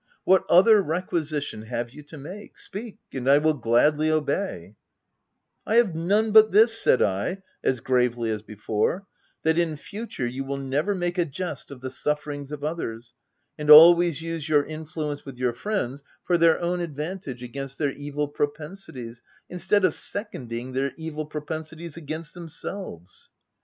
What other requisition 60 THE TENANT. have you to make ? Speak, and I will gladly obey/' " I have none but this," said I, as gravely as before ;" that, in future, you w T ill never make a jest of the sufferings of others, and always use your influence with your friends for their own advantage against their evil propensities, in stead of seconding their evil propensities against themselves."